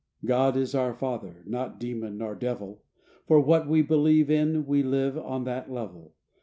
God is our Father, not demon nor devil, For what we believe in we live on that level.